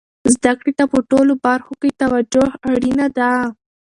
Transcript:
زده کړې ته په ټولو برخو کې توجه اړینه ده.